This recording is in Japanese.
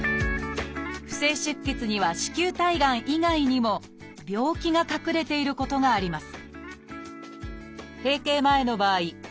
不正出血には子宮体がん以外にも病気が隠れていることがあります